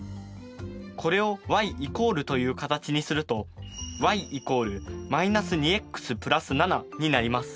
これをｙ＝という形にするとｙ＝−２ｘ＋７になります。